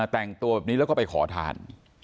แต่งตัวแบบนี้แล้วก็ไปขอทาน